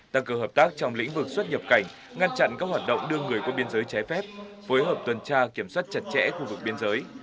tăng cường hợp tác trong lĩnh vực xuất nhập cảnh ngăn chặn các hoạt động đưa người qua biên giới trái phép phối hợp tuần tra kiểm soát chặt chẽ khu vực biên giới